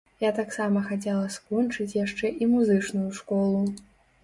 Я таксама хацела скончыць яшчэ і музычную школу.